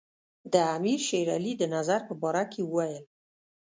د امیر شېر علي د نظر په باره کې وویل.